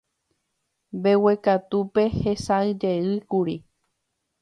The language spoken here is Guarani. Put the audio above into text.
Mbeguekatúpe hesãijeýkuri.